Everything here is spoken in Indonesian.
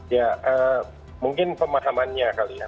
ya mungkin pemahamannya kali ya